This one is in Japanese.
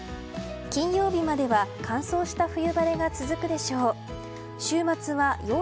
金曜日までは乾燥した冬晴れが続くでしょう。